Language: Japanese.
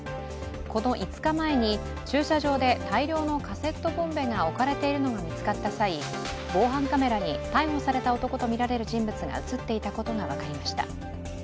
この５日前に駐車場で大量のカセットボンベが置かれているのが見つかった際、防犯カメラに逮捕された男とみられる人物が映っていたことが分かりました。